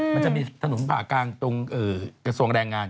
มันจะมีถนนผ่ากลางตรงกระทรวงแรงงาน